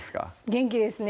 元気ですね